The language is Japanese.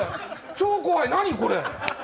超怖い、何これ！